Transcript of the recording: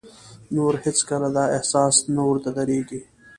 نور هېڅ کله دا احساس نه ورته درېږي.